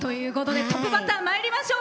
トップバッターまいりましょう。